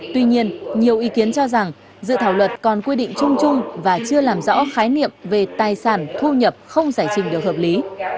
tuy nhiên nhiều ý kiến cho rằng dự thảo luật còn quy định chung chung và chưa làm rõ khái niệm về tài sản thu nhập không giải trình được hợp lý